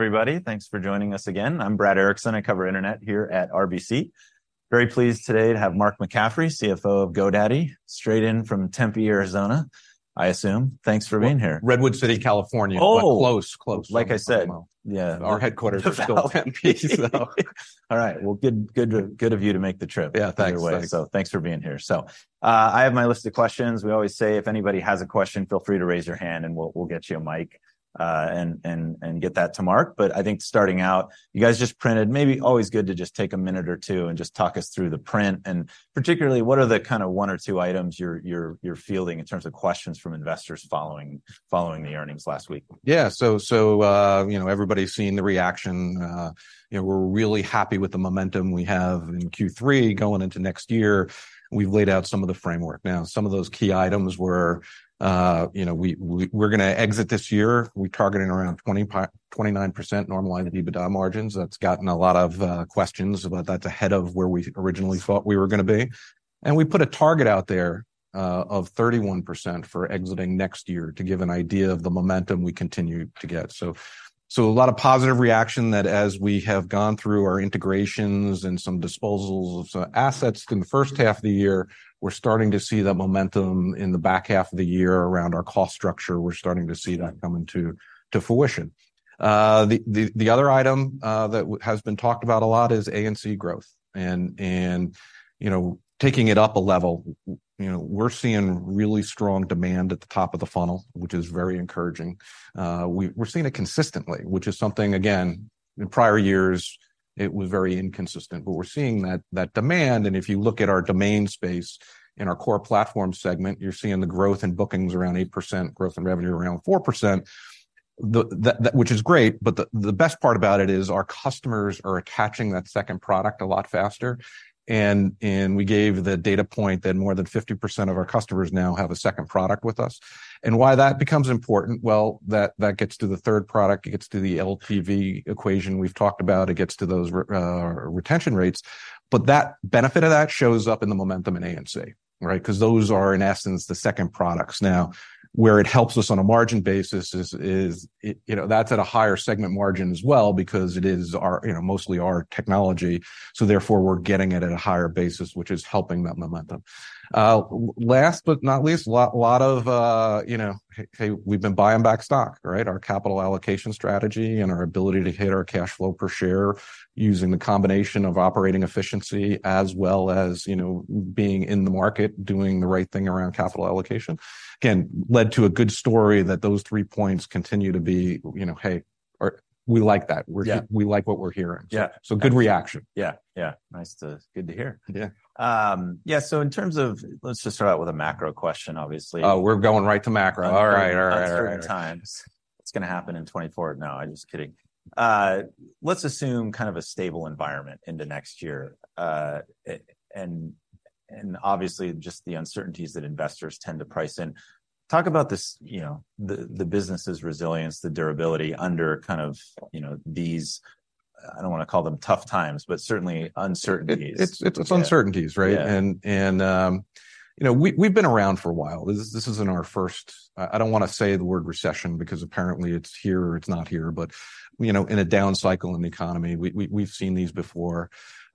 Everybody, thanks for joining us again. I'm Brad Erickson. I cover internet here at RBC. Very pleased today to have Mark McCaffrey, CFO of GoDaddy, straight in from Tempe, Arizona, I assume. Thanks for being here. Redwood City, California. Oh! But close, close- Like I said. Well- Yeah. Our headquarters is still in Tempe, so... All right. Well, good, good, good of you to make the trip- Yeah, thanks Either way, so thanks for being here. So, I have my list of questions. We always say, if anybody has a question, feel free to raise your hand and we'll get you a mic, and get that to Mark. But I think starting out, you guys just printed... maybe always good to just take a minute or two and just talk us through the print, and particularly, what are the kind of one or two items you're fielding in terms of questions from investors following the earnings last week? Yeah. So, you know, everybody's seeing the reaction. You know, we're really happy with the momentum we have in Q3 going into next year. We've laid out some of the framework. Now, some of those key items were, you know, we're gonna exit this year, we're targeting around 29% Normalized EBITDA margins. That's gotten a lot of questions, but that's ahead of where we originally thought we were gonna be. And we put a target out there, of 31% for exiting next year, to give an idea of the momentum we continue to get. So, a lot of positive reaction that as we have gone through our integrations and some disposals of assets in the first half of the year, we're starting to see that momentum in the back half of the year around our cost structure, we're starting to see that coming to fruition. The other item that has been talked about a lot is A&C growth and, you know, taking it up a level, you know, we're seeing really strong demand at the top of the funnel, which is very encouraging. We're seeing it consistently, which is something, again, in prior years it was very inconsistent, but we're seeing that demand. And if you look at our domain space in our Core Platform segment, you're seeing the growth in bookings around 8%, growth in revenue around 4%. The... That, which is great, but the best part about it is our customers are attaching that second product a lot faster. And we gave the data point that more than 50% of our customers now have a second product with us. And why that becomes important, well, that gets to the third product, it gets to the LTV equation we've talked about, it gets to those retention rates. But that benefit of that shows up in the momentum in A&C, right? Because those are, in essence, the second products. Now, where it helps us on a margin basis is it, you know, that's at a higher segment margin as well because it is our, you know, mostly our technology, so therefore we're getting it at a higher basis, which is helping that momentum. Last but not least, lot of, you know, hey, we've been buying back stock, right? Our capital allocation strategy and our ability to hit our cash flow per share, using the combination of operating efficiency as well as, you know, being in the market, doing the right thing around capital allocation. Again, led to a good story that those three points continue to be, you know, "Hey, or we like that- Yeah. - we like what we're hearing. Yeah. So, good reaction. Yeah, yeah. Nice to... Good to hear. Yeah. Yeah, so in terms of... Let's just start out with a macro question, obviously. Oh, we're going right to macro. All right, all right, all right. Uncertain times. It's gonna happen in 2024. No, I'm just kidding. Let's assume kind of a stable environment into next year. And obviously, just the uncertainties that investors tend to price in. Talk about this, you know, the business's resilience, the durability under kind of, you know, these, I don't want to call them tough times, but certainly uncertainties. It's uncertainties, right? Yeah. You know, we've been around for a while. This isn't our first... I don't want to say the word recession, because apparently, it's here or it's not here. But, you know, in a down cycle in the economy, we've seen these before.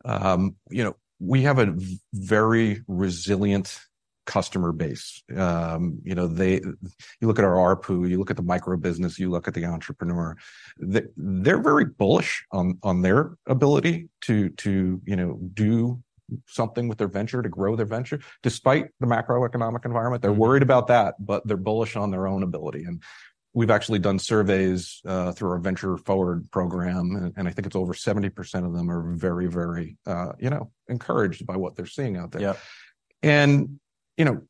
You know, we have a very resilient customer base. You know, you look at our ARPU, you look at the micro business, you look at the entrepreneur, they're very bullish on their ability to, you know, do something with their venture, to grow their venture, despite the macroeconomic environment. They're worried about that, but they're bullish on their own ability. We've actually done surveys through our Venture Forward program, and I think it's over 70% of them are very, very, you know, encouraged by what they're seeing out there. Yeah. You know,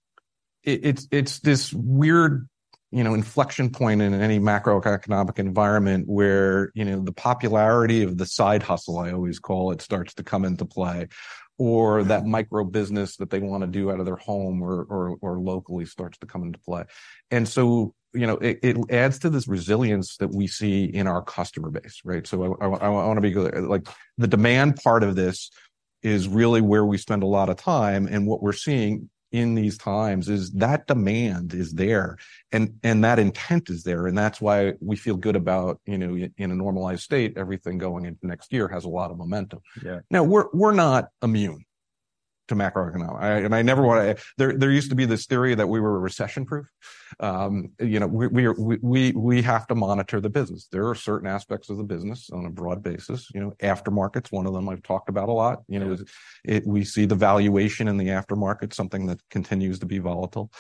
it's this weird, you know, inflection point in any macroeconomic environment where, you know, the popularity of the side hustle, I always call it, starts to come into play, or that micro business that they want to do out of their home or locally starts to come into play. And so, you know, it adds to this resilience that we see in our customer base, right? So I want to be clear, like, the demand part of this is really where we spend a lot of time, and what we're seeing in these times is that demand is there, and that intent is there, and that's why we feel good about, you know, in a normalized state, everything going into next year has a lot of momentum. Yeah. Now, we're not immune to macroeconomics. I never wanna... There used to be this theory that we were recession-proof. You know, we have to monitor the business. There are certain aspects of the business on a broad basis, you know, aftermarket's one of them I've talked about a lot. You know, we see the valuation in the aftermarket, something that continues to be volatile.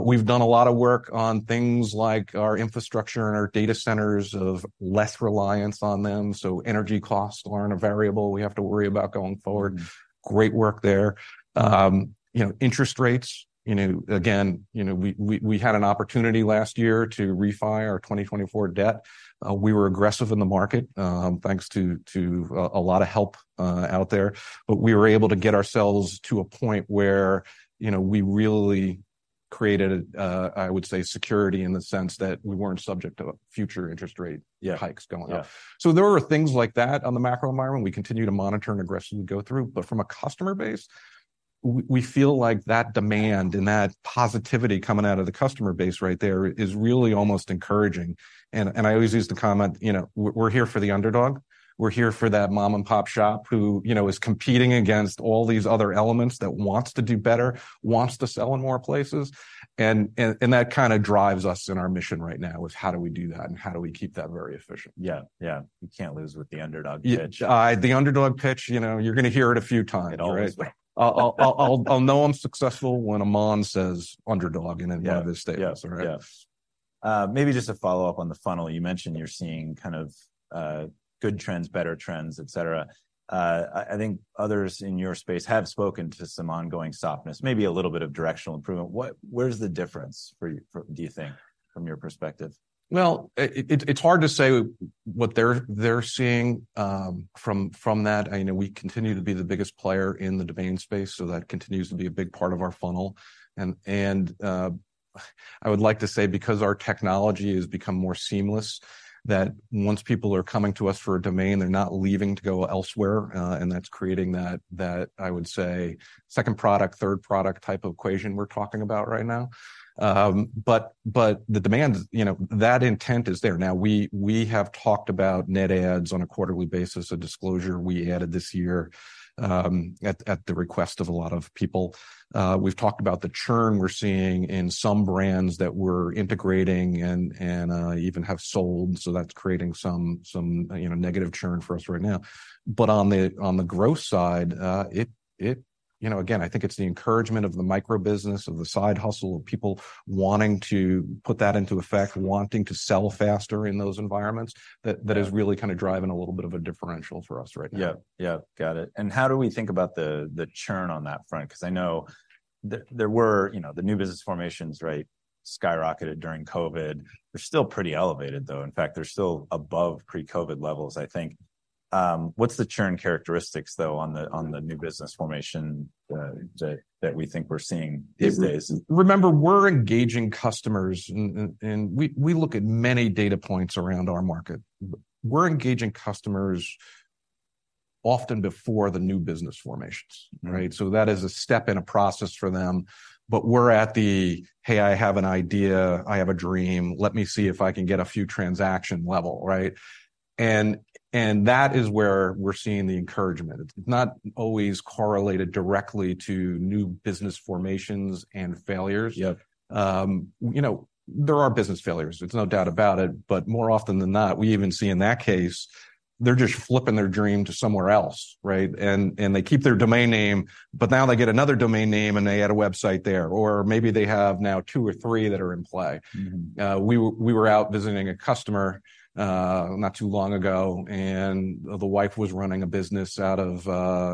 We've done a lot of work on things like our infrastructure and our data centers of less reliance on them, so energy costs aren't a variable we have to worry about going forward. Great work there. You know, interest rates, you know, again, you know, we had an opportunity last year to refi our 2024 debt. We were aggressive in the market, thanks to a lot of help out there, but we were able to get ourselves to a point where, you know, we really created a, I would say, security, in the sense that we weren't subject to future interest rate- Yeah... hikes going up. Yeah. So there were things like that on the macro environment. We continue to monitor and aggressively go through, but from a customer base?... We feel like that demand and that positivity coming out of the customer base right there is really almost encouraging. And I always use the comment, you know, "We're here for the underdog. We're here for that mom-and-pop shop who, you know, is competing against all these other elements, that wants to do better, wants to sell in more places." And that kind of drives us in our mission right now, is: How do we do that, and how do we keep that very efficient? Yeah. Yeah, you can't lose with the underdog pitch. Yeah, the underdog pitch, you know, you're gonna hear it a few times, right? Always. I'll know I'm successful when Aman says underdog in any of his statements. Yeah. Yes. Yes. All right? Maybe just to follow up on the funnel, you mentioned you're seeing kind of good trends, better trends, et cetera. I think others in your space have spoken to some ongoing softness, maybe a little bit of directional improvement. Where's the difference for you, do you think, from your perspective? Well, it's hard to say what they're seeing from that. I know we continue to be the biggest player in the domain space, so that continues to be a big part of our funnel. I would like to say, because our technology has become more seamless, that once people are coming to us for a domain, they're not leaving to go elsewhere, and that's creating that, I would say, second product, third product type of equation we're talking about right now. The demand, you know, that intent is there. Now, we have talked about net adds on a quarterly basis, a disclosure we added this year, at the request of a lot of people. We've talked about the churn we're seeing in some brands that we're integrating and, you know, negative churn for us right now. But on the growth side, you know, again, I think it's the encouragement of the micro business, of the side hustle, of people wanting to put that into effect, wanting to sell faster in those environments- Yeah... that is really kind of driving a little bit of a differential for us right now. Yeah. Yeah, got it. And how do we think about the, the churn on that front? 'Cause I know there were, you know, the new business formations, right, skyrocketed during COVID. They're still pretty elevated, though. In fact, they're still above pre-COVID levels, I think. What's the churn characteristics, though, on the- Mm... on the new business formation that we think we're seeing these days? Remember, we're engaging customers, and we look at many data points around our market. We're engaging customers often before the new business formations, right? So that is a step in a process for them, but we're at the, "Hey, I have an idea, I have a dream, let me see if I can get a few transaction," level, right? And that is where we're seeing the encouragement. It's not always correlated directly to new business formations and failures. Yeah. You know, there are business failures, there's no doubt about it, but more often than not, we even see in that case, they're just flipping their dream to somewhere else, right? And they keep their domain name, but now they get another domain name, and they add a website there, or maybe they have now two or three that are in play. Mm-hmm. We were out visiting a customer not too long ago, and the wife was running a business out of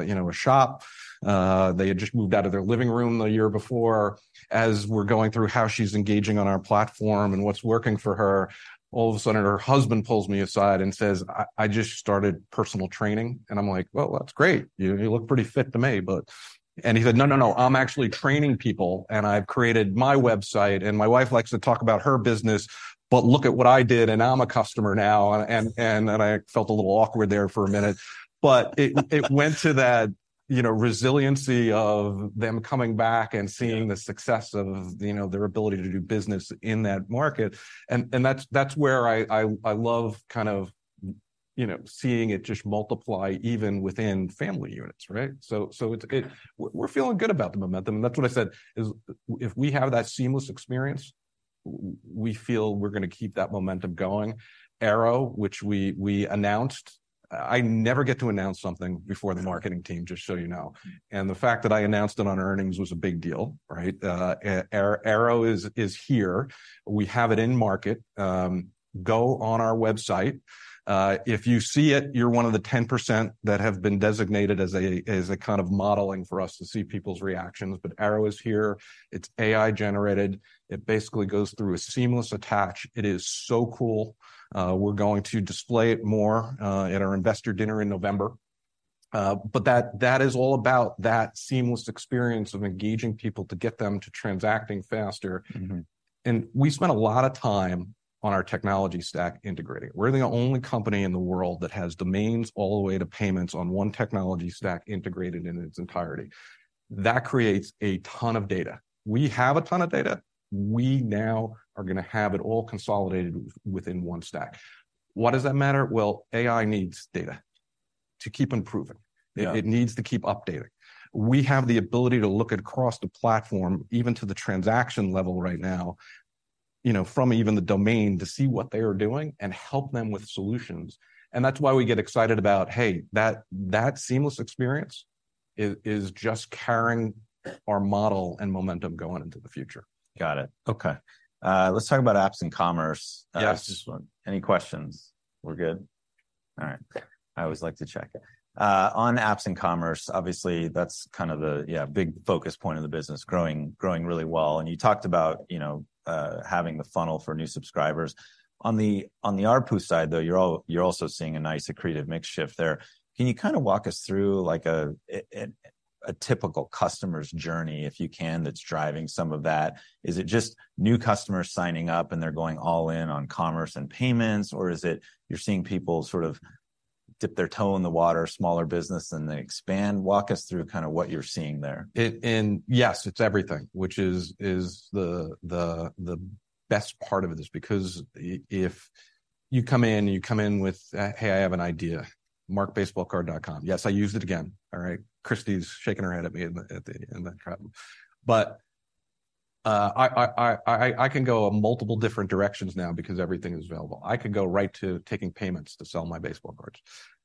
you know, a shop. They had just moved out of their living room the year before. As we're going through how she's engaging on our platform and what's working for her, all of a sudden, her husband pulls me aside and says, "I just started personal training." And I'm like: "Well, that's great. You look pretty fit to me, but..." And he said: "No, no, no, I'm actually training people, and I've created my website, and my wife likes to talk about her business, but look at what I did, and I'm a customer now." And I felt a little awkward there for a minute. But it went to that, you know, resiliency of them coming back and seeing- Yeah... the success of, you know, their ability to do business in that market. And that's where I love kind of, you know, seeing it just multiply even within family units, right? So it's- Yeah... we're feeling good about the momentum, and that's what I said, is if we have that seamless experience, we feel we're gonna keep that momentum going. Airo, which we announced... I never get to announce something before the marketing team, just so you know. Mm. And the fact that I announced it on earnings was a big deal, right? Airo is here. We have it in market. Go on our website. If you see it, you're one of the 10% that have been designated as a kind of modeling for us to see people's reactions. But Airo is here. It's AI-generated. It basically goes through a seamless attach. It is so cool. We're going to display it more at our investor dinner in November. But that is all about that seamless experience of engaging people to get them to transacting faster. Mm-hmm. We spent a lot of time on our technology stack integrating. We're the only company in the world that has domains all the way to payments on one technology stack, integrated in its entirety. That creates a ton of data. We have a ton of data. We now are gonna have it all consolidated within one stack. Why does that matter? Well, AI needs data to keep improving. Yeah. It needs to keep updating. We have the ability to look across the platform, even to the transaction level right now, you know, from even the domain, to see what they are doing and help them with solutions. And that's why we get excited about, hey, that seamless experience is just carrying our model and momentum going into the future. Got it. Okay. Let's talk about Apps and Commerce. Yes. Just one... Any questions? We're good? All right. Yeah. I always like to check. On apps and commerce, obviously, that's kind of the, yeah, big focus point of the business, growing, growing really well. And you talked about, you know, having the funnel for new subscribers. On the ARPU side, though, you're also seeing a nice accretive mix shift there. Can you kind of walk us through, like, a typical customer's journey, if you can, that's driving some of that? Is it just new customers signing up, and they're going all in on commerce and payments, or is it you're seeing people sort of dip their toe in the water, smaller business, and they expand. Walk us through kind of what you're seeing there. And, yes, it's everything, which is the best part of this. Because if you come in, you come in with, "Hey, I have an idea. Markbaseballcard.com." Yes, I used it again, all right? Christie's shaking her head at me in that chat. But I can go multiple different directions now because everything is available. I could go right to taking payments to sell my baseball cards.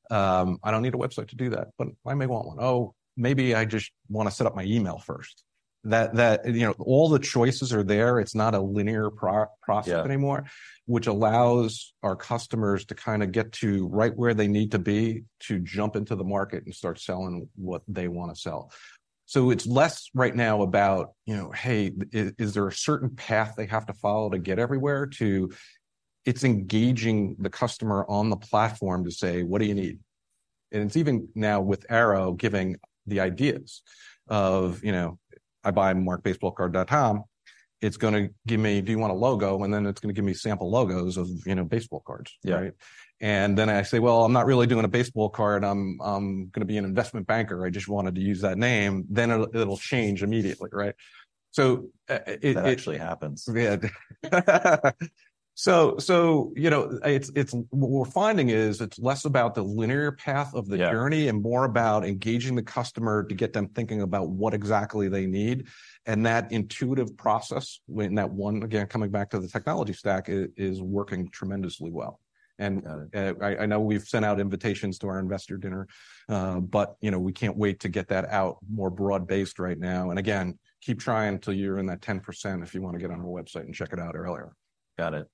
I don't need a website to do that, but I may want one. Oh, maybe I just wanna set up my email first. That, you know, all the choices are there, it's not a linear process anymore. Yeah... which allows our customers to kind of get to right where they need to be to jump into the market and start selling what they wanna sell. So it's less right now about, you know, "Hey, is there a certain path they have to follow to get everywhere?" To, it's engaging the customer on the platform to say, "What do you need?" And it's even now with Airo giving the ideas of, you know, I buy markbaseballcard.com, it's gonna give me, "Do you want a logo?" And then it's gonna give me sample logos of, you know, baseball cards. Yeah. Right? And then I say, "Well, I'm not really doing a baseball card. I'm gonna be an investment banker. I just wanted to use that name," then it'll change immediately, right? So, it. That actually happens. Yeah. So, you know, it's... What we're finding is, it's less about the linear path of the journey- Yeah... and more about engaging the customer to get them thinking about what exactly they need. And that intuitive process, when that one, again, coming back to the technology stack, is working tremendously well. Got it. I know we've sent out invitations to our investor dinner, but you know, we can't wait to get that out more broad-based right now. And again, keep trying until you're in that 10% if you wanna get on our website and check it out earlier. Got it.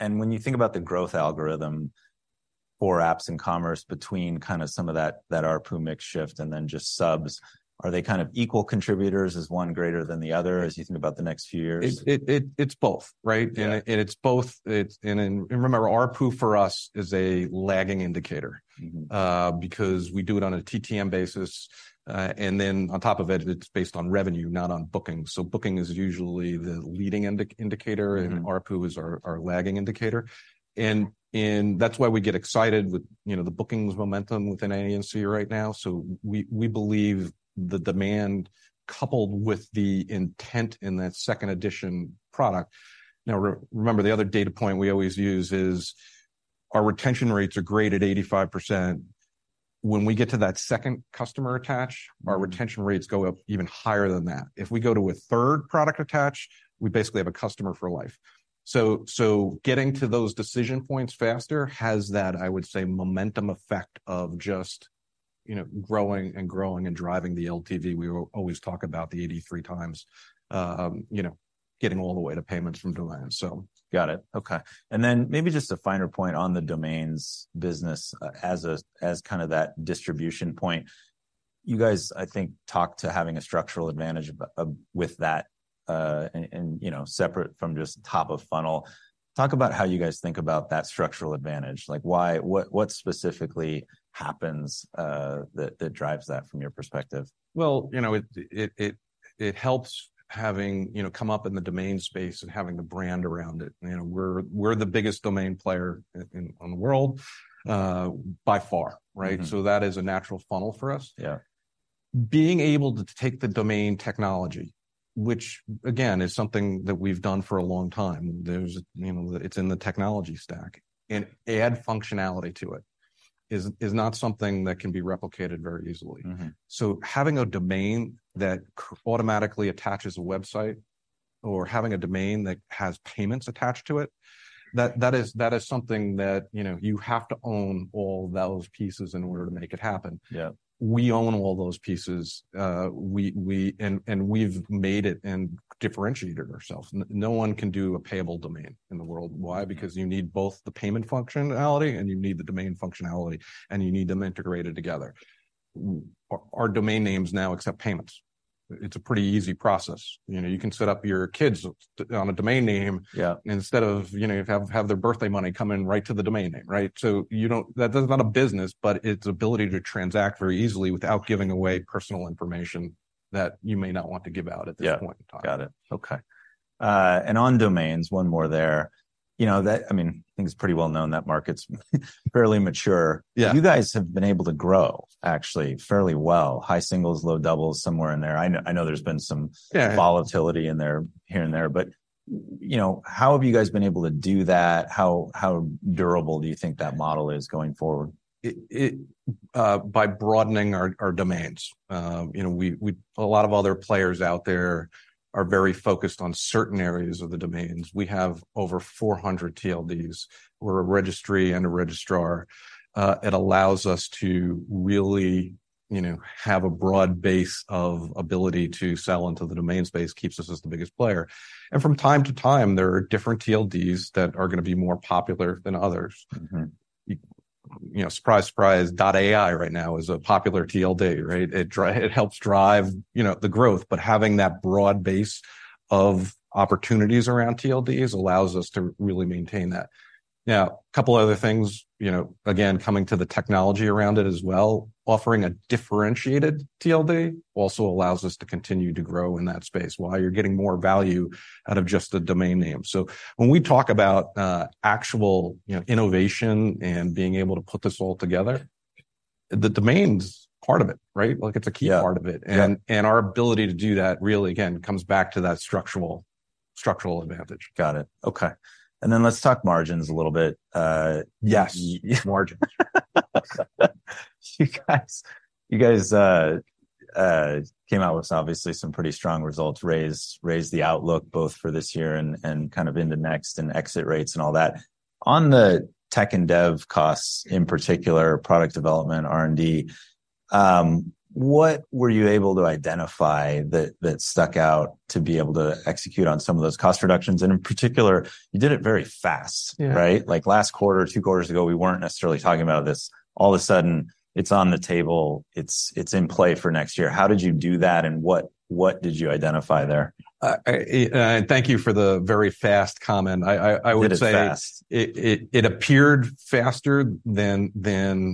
And when you think about the growth algorithm for apps and commerce between kind of some of that, that ARPU mix shift, and then just subs, are they kind of equal contributors? Is one greater than the other, as you think about the next few years? It's both, right? Yeah. And it's both. And remember, ARPU for us is a lagging indicator. Mm-hmm. Because we do it on a TTM basis, and then on top of it, it's based on revenue, not on bookings. So booking is usually the leading indicator- Mm. ARPU is our lagging indicator. That's why we get excited with, you know, the bookings momentum within A&C right now. We believe the demand, coupled with the intent in that second edition product. Now, remember, the other data point we always use is our retention rates are great at 85%. When we get to that second customer attach- Mm. our retention rates go up even higher than that. If we go to a third product attach, we basically have a customer for life. So, so getting to those decision points faster has that, I would say, momentum effect of just, you know, growing and growing and driving the LTV. We always talk about the 83 times, you know, getting all the way to payments from domains, so. Got it, okay. And then maybe just a finer point on the domains business, as kind of that distribution point. You guys, I think, talked to having a structural advantage with that, and, you know, separate from just top of funnel. Talk about how you guys think about that structural advantage. Like, why... What specifically happens, that drives that, from your perspective? Well, you know, it helps having, you know, come up in the domain space and having the brand around it. You know, we're the biggest domain player in the world, by far, right? Mm-hmm. That is a natural funnel for us. Yeah. Being able to take the domain technology, which again is something that we've done for a long time, there's, you know, it's in the technology stack, and add functionality to it, is not something that can be replicated very easily. Mm-hmm. So having a domain that automatically attaches a website or having a domain that has payments attached to it- Mm.... that is something that, you know, you have to own all those pieces in order to make it happen. Yeah. We own all those pieces. We've made it and differentiated ourselves. No one can do a payable domain in the world. Why? Mm. Because you need both the payment functionality, and you need the domain functionality, and you need them integrated together. Our domain names now accept payments. It's a pretty easy process. You know, you can set up your kids on a domain name- Yeah... instead of, you know, have their birthday money come in right to the domain name, right? So that, that's not a business, but it's ability to transact very easily without giving away personal information, that you may not want to give out at this point in time. Yeah. Got it. Okay. And on domains, one more there. You know, that, I mean, things pretty well-known, that market's fairly mature. Yeah. You guys have been able to grow, actually, fairly well. High singles, low doubles, somewhere in there. I know, I know there's been some- Yeah... volatility in there, here and there, but, you know, how have you guys been able to do that? How, how durable do you think that model is going forward? By broadening our domains. You know, a lot of other players out there are very focused on certain areas of the domains. We have over 400 TLDs. We're a registry and a registrar. It allows us to really, you know, have a broad base of ability to sell into the domain space, keeps us as the biggest player. And from time to time, there are different TLDs that are gonna be more popular than others. Mm-hmm. You know, surprise, surprise, .ai right now is a popular TLD, right? It helps drive, you know, the growth, but having that broad base of opportunities around TLDs allows us to really maintain that. Now, a couple other things, you know, again, coming to the technology around it as well, offering a differentiated TLD also allows us to continue to grow in that space, while you're getting more value out of just a domain name. So when we talk about actual, you know, innovation and being able to put this all together, the domain's part of it, right? Like, it's a key- Yeah -part of it. Yeah. Our ability to do that really, again, comes back to that structural advantage. Got it. Okay, and then let's talk margins a little bit. Yes. Y- Margins. You guys, you guys, came out with obviously some pretty strong results, raised the outlook both for this year and kind of in the next, and exit rates and all that. On the tech and dev costs, in particular, product development, R&D, what were you able to identify that stuck out to be able to execute on some of those cost reductions? And in particular, you did it very fast- Yeah... right? Like, last quarter, two quarters ago, we weren't necessarily talking about this. All of a sudden, it's on the table, it's, it's in play for next year. How did you do that, and what, what did you identify there? Thank you for the very fast comment. I would say- It is fast.... it appeared faster than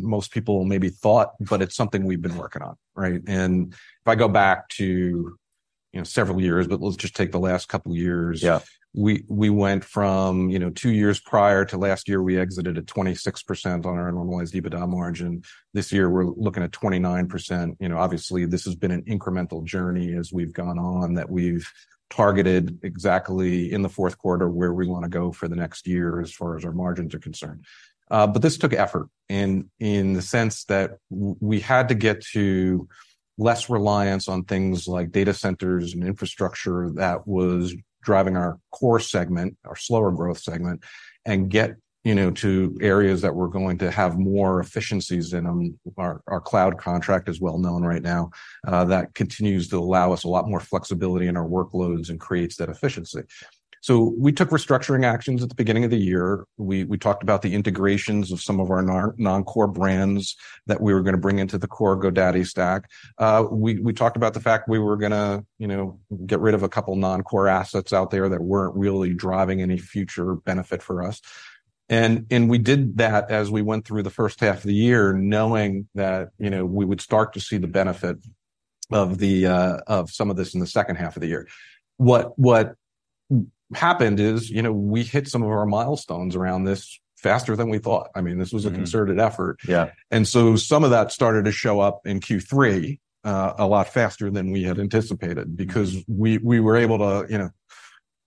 most people maybe thought, but it's something we've been working on, right? And if I go back to, you know, several years, but let's just take the last couple of years- Yeah ... we went from, you know, two years prior to last year, we exited at 26% on our normalized EBITDA margin. This year, we're looking at 29%. You know, obviously, this has been an incremental journey as we've gone on, that we've targeted exactly in the fourth quarter where we want to go for the next year as far as our margins are concerned. But this took effort, in the sense that we had to get to less reliance on things like data centers and infrastructure that was driving our core segment, our slower growth segment, and get, you know, to areas that were going to have more efficiencies in them. Our cloud contract is well known right now, that continues to allow us a lot more flexibility in our workloads and creates that efficiency. So we took restructuring actions at the beginning of the year. We talked about the integrations of some of our non-core brands that we were gonna bring into the core GoDaddy stack. We talked about the fact we were gonna, you know, get rid of a couple non-core assets out there that weren't really driving any future benefit for us. And we did that as we went through the first half of the year, knowing that, you know, we would start to see the benefit of some of this in the second half of the year. What happened is, you know, we hit some of our milestones around this faster than we thought. I mean, this was- Mm-hmm... a concerted effort. Yeah. And so some of that started to show up in Q3, a lot faster than we had anticipated. Mm... because we were able to, you know,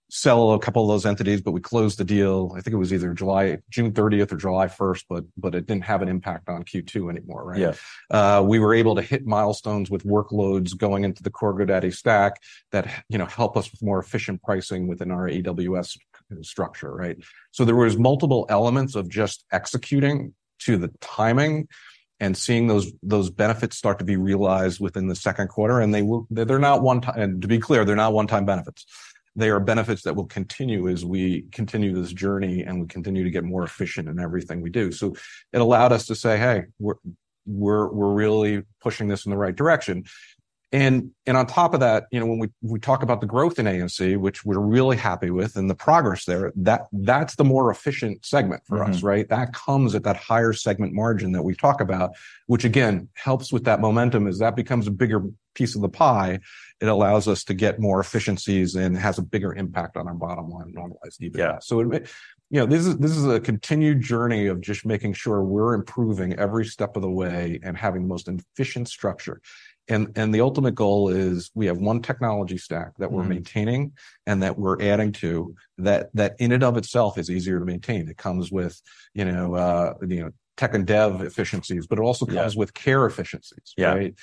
sell a couple of those entities, but we closed the deal, I think it was either June 30th or July 1st, but it didn't have an impact on Q2 anymore, right? Yeah. We were able to hit milestones with workloads going into the core GoDaddy stack that, you know, help us with more efficient pricing within our AWS structure, right? So there was multiple elements of just executing to the timing and seeing those benefits start to be realized within the second quarter, and they will—they're not one-time. And to be clear, they're not one-time benefits. They are benefits that will continue as we continue this journey, and we continue to get more efficient in everything we do. So it allowed us to say, "Hey, we're really pushing this in the right direction." And on top of that, you know, when we talk about the growth in ANC, which we're really happy with, and the progress there, that's the more efficient segment for us. Mm-hmm... right? That comes at that higher segment margin that we've talked about, which again, helps with that momentum. As that becomes a bigger piece of the pie, it allows us to get more efficiencies and has a bigger impact on our bottom line and normalized EBITDA. Yeah. So, you know, this is a continued journey of just making sure we're improving every step of the way and having the most efficient structure. And the ultimate goal is, we have one technology stack- Mm... that we're maintaining and that we're adding to, that, that in and of itself is easier to maintain. It comes with, you know, you know, tech and dev efficiencies, but it also- Yeah... comes with core efficiencies- Yeah... right?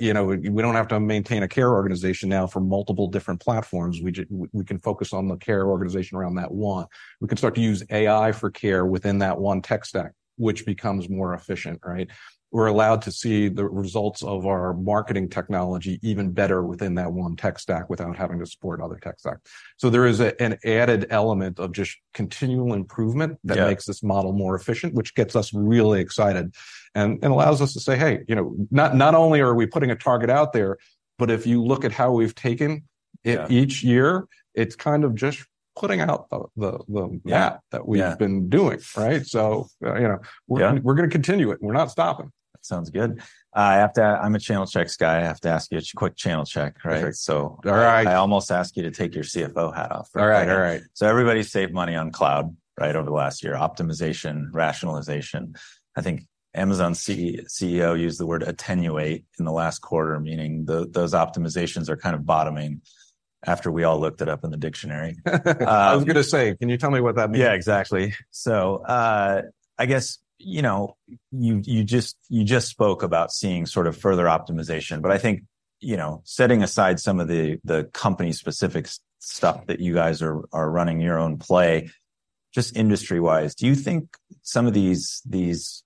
You know, we don't have to maintain a care organization now for multiple different platforms. We can focus on the care organization around that one. We can start to use AI for care within that one tech stack, which becomes more efficient, right? We're allowed to see the results of our marketing technology even better within that one tech stack without having to support other tech stacks. So there is an added element of just continual improvement- Yeah... that makes this model more efficient, which gets us really excited and allows us to say, "Hey, you know, not only are we putting a target out there, but if you look at how we've taken it- Yeah... each year, it's kind of just putting out the- Yeah... gap that we've been doing," right? Yeah. So, you know- Yeah... we're gonna continue it, we're not stopping. That sounds good. I have to... I'm a channel checks guy. I have to ask you a quick channel check. Right. So- All right. I almost ask you to take your CFO hat off. All right. All right. So everybody saved money on cloud, right? Over the last year, optimization, rationalization. I think Amazon's CEO used the word attenuate in the last quarter, meaning those optimizations are kind of bottoming after we all looked it up in the dictionary. I was gonna say, can you tell me what that means? Yeah, exactly. So, I guess, you know, you just spoke about seeing sort of further optimization, but I think, you know, setting aside some of the company-specific stuff that you guys are running your own play, just industry-wise, do you think some of these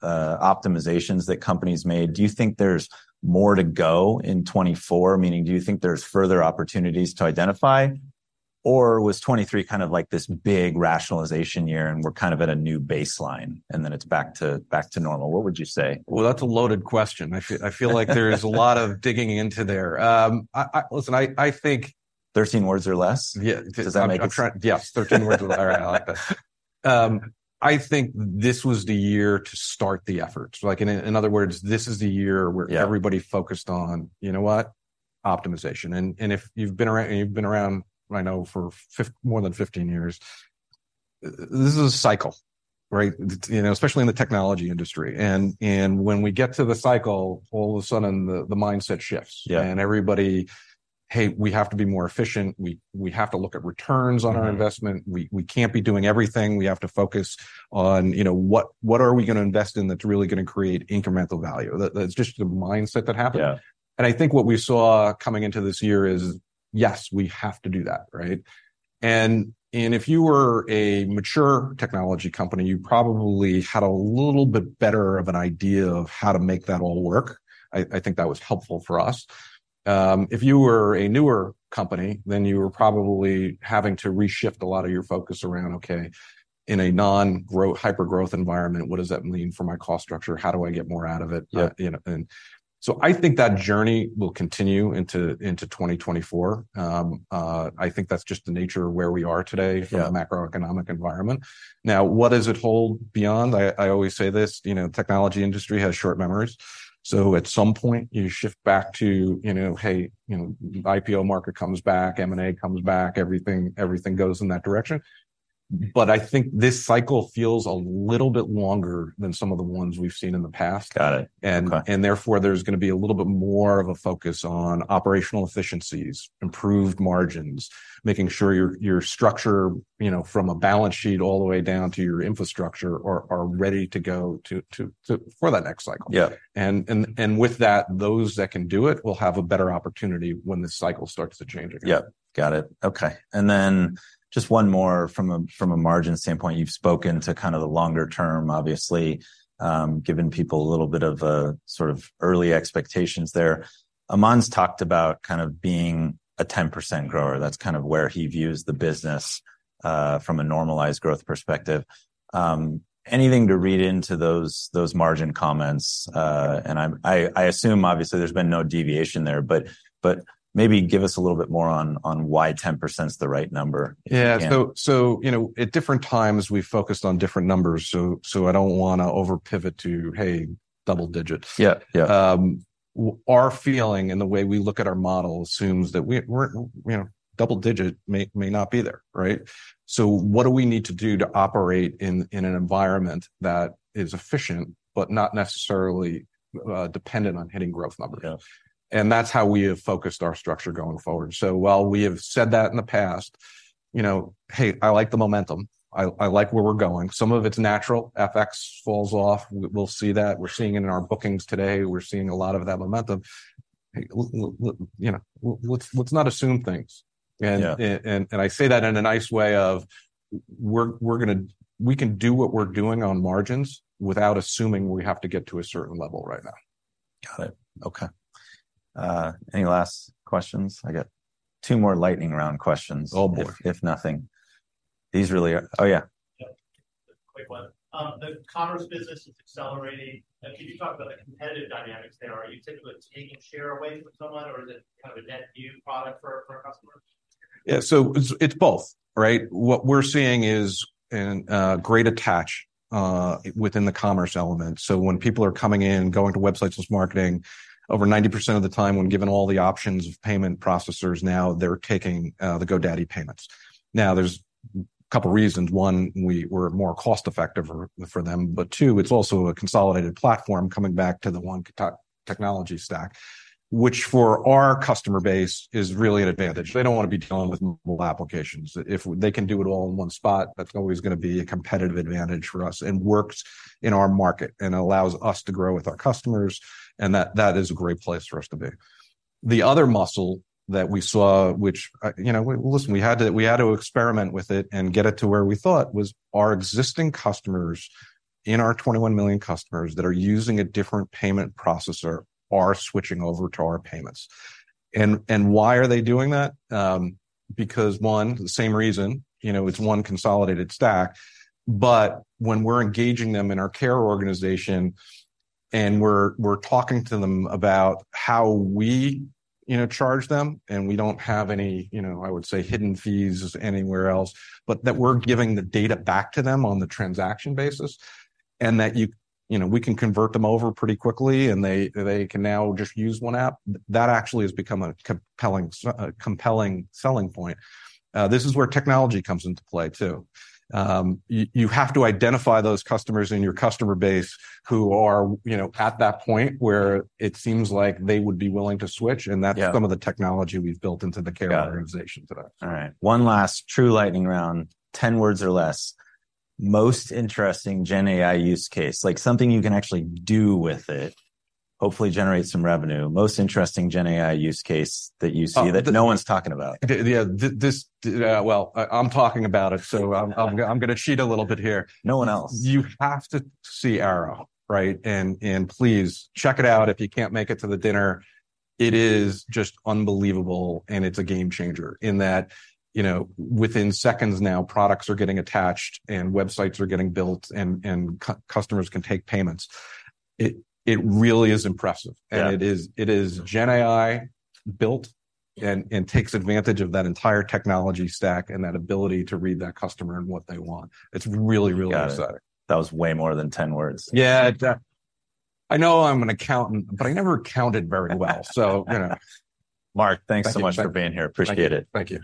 optimizations that companies made, do you think there's more to go in 2024? Meaning, do you think there's further opportunities to identify, or was 2023 kind of like this big rationalization year, and we're kind of at a new baseline, and then it's back to normal? What would you say? Well, that's a loaded question. I feel like there is a lot of digging into there. Listen, I think- 13 words or less? Yeah. Does that make it- I'm trying... Yes, 13 words or less. I think this was the year to start the effort. Like, in other words, this is the year- Yeah... where everybody focused on, you know what? Optimization. And if you've been around, you've been around, I know, for more than 15 years... this is a cycle, right? You know, especially in the technology industry. And when we get to the cycle, all of a sudden, the mindset shifts. Yeah. Everybody, "Hey, we have to be more efficient. We, we have to look at returns on our investment. Mm-hmm. We can't be doing everything. We have to focus on, you know, what are we gonna invest in that's really gonna create incremental value?" That's just the mindset that happens. Yeah. I think what we saw coming into this year is, yes, we have to do that, right? If you were a mature technology company, you probably had a little bit better of an idea of how to make that all work. I think that was helpful for us. If you were a newer company, then you were probably having to re-shift a lot of your focus around, okay, in a non-growth, hyper-growth environment, what does that mean for my cost structure? How do I get more out of it? Yeah. You know, and so I think that journey will continue into 2024. I think that's just the nature of where we are today- Yeah... from a macroeconomic environment. Now, what does it hold beyond? I, I always say this, you know, technology industry has short memories, so at some point, you shift back to, you know, hey, you know, IPO market comes back, M&A comes back, everything, everything goes in that direction. But I think this cycle feels a little bit longer than some of the ones we've seen in the past. Got it. Okay. Therefore, there's gonna be a little bit more of a focus on operational efficiencies, improved margins, making sure your structure, you know, from a balance sheet all the way down to your infrastructure, are ready to go to... for that next cycle. Yeah. With that, those that can do it will have a better opportunity when the cycle starts to change again. Yeah, got it. Okay, and then just one more from a margin standpoint. You've spoken to kind of the longer term, obviously, giving people a little bit of a sort of early expectations there. Aman's talked about kind of being a 10% grower. That's kind of where he views the business from a normalized growth perspective. Anything to read into those margin comments? And I assume obviously there's been no deviation there, but maybe give us a little bit more on why 10% is the right number, if you can. Yeah. So, you know, at different times, we've focused on different numbers, so I don't wanna over-pivot to, hey, double digits. Yeah. Yeah. Our feeling and the way we look at our model assumes that we're, you know, double digit may not be there, right? So what do we need to do to operate in an environment that is efficient but not necessarily dependent on hitting growth numbers? Yeah. That's how we have focused our structure going forward. So while we have said that in the past, you know, hey, I like the momentum. I like where we're going. Some of it's natural. FX falls off. We'll see that. We're seeing it in our bookings today, we're seeing a lot of that momentum. Look, you know, let's not assume things. Yeah. And I say that in a nice way of we're gonna... We can do what we're doing on margins without assuming we have to get to a certain level right now. Got it. Okay. Any last questions? I got two more lightning round questions- Oh, boy!... if nothing. These really are... Oh, yeah. Yeah. Quick one. The commerce business is accelerating. Could you talk about the competitive dynamics there? Are you typically taking share away from someone, or is it kind of a net new product for a customer? Yeah, so it's, it's both, right? What we're seeing is an great attach within the commerce element. So when people are coming in, going to websites, less marketing, over 90% of the time, when given all the options of payment processors, now they're taking the GoDaddy Payments. Now, there's a couple reasons. One, we're more cost-effective for them, but two, it's also a consolidated platform, coming back to the one technology stack, which for our customer base, is really an advantage. They don't wanna be dealing with mobile applications. If they can do it all in one spot, that's always gonna be a competitive advantage for us, and works in our market and allows us to grow with our customers, and that is a great place for us to be. The other muscle that we saw, which, you know, we had to, we had to experiment with it and get it to where we thought was our existing customers, in our 21 million customers that are using a different payment processor, are switching over to our payments. And, and why are they doing that? Because, one, the same reason, you know, it's one consolidated stack. But when we're engaging them in our care organization and we're, we're talking to them about how we, you know, charge them, and we don't have any, you know, I would say, hidden fees anywhere else, but that we're giving the data back to them on the transaction basis, and that you... You know, we can convert them over pretty quickly, and they, they can now just use one app. That actually has become a compelling—a compelling selling point. This is where technology comes into play, too. You, you have to identify those customers in your customer base who are, you know, at that point where it seems like they would be willing to switch- Yeah... and that's some of the technology we've built into the care organization today. Got it. All right, one last true lightning round, 10 words or less. Most interesting GenAI use case, like something you can actually do with it, hopefully generate some revenue. Most interesting GenAI use case that you see- Oh, the-... that no one's talking about. Well, I'm talking about it, so I'm gonna cheat a little bit here. No one else. You have to see Airo, right? And please check it out if you can't make it to the dinner. It is just unbelievable, and it's a game changer, in that, you know, within seconds now, products are getting attached, and websites are getting built, and customers can take payments. It really is impressive. Yeah. And it is, it is GenAI built- Yeah... and takes advantage of that entire technology stack and that ability to read that customer and what they want. It's really, really exciting. Got it. That was way more than 10 words. Yeah, I know I'm an accountant, but I never counted very well. So, you know. Mark, thanks so much- Thank you... for being here. Appreciate it. Thank you. Thank you.